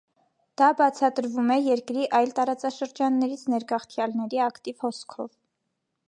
Դա բացատրվում է երկրի այլ տարածաշրջաններից ներգաղթյալների ակտիվ հոսքով։